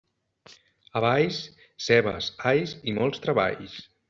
A Valls, cebes, alls i molts treballs.